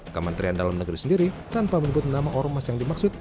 kementerian dalam negeri sendiri tanpa menyebut nama ormas yang dimaksud